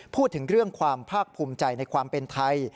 พูดถึงเรื่องความภาคภูมิใจในความเป็นไทย